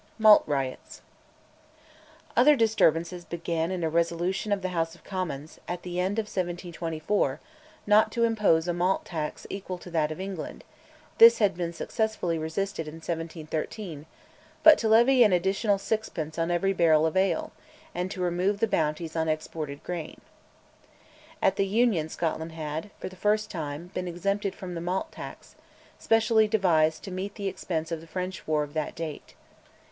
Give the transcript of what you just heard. MALT RIOTS. Other disturbances began in a resolution of the House of Commons, at the end of 1724, not to impose a Malt Tax equal to that of England (this had been successfully resisted in 1713), but to levy an additional sixpence on every barrel of ale, and to remove the bounties on exported grain. At the Union Scotland had, for the time, been exempted from the Malt Tax, specially devised to meet the expenses of the French war of that date.